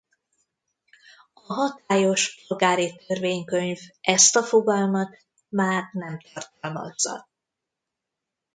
A hatályos Polgári Törvénykönyv ezt a fogalmat már nem tartalmazza.